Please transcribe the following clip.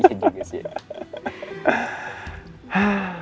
iya juga sih